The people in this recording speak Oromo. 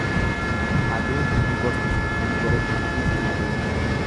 Aduun hin gortu kan goretti dhiiti malee.